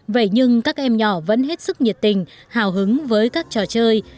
vậy nhưng các em nhỏ vẫn hết sức nhiệt tình hào hứng với các trò chơi